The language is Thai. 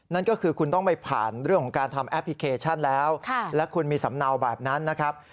นั่นก็คือคุณต้องไปผ่านเรื่องของการทำแอปพลิเคชันแล้วและคุณมีสำเนาแบบนั้นนะครับ